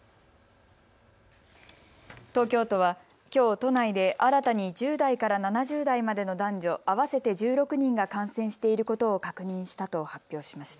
東京都はきょう都内で新たに１０代から７０代までの男女合わせて１６人が感染していることを確認したと発表しました。